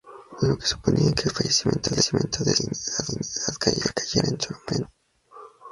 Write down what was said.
Lo que suponía que al fallecimiento de este, dicha dignidad recayera en su hermano.